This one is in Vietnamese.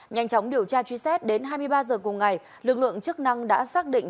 nhanh chóng điều tra truy xét đến hai mươi ba h cùng ngày lực lượng chức năng đã xác định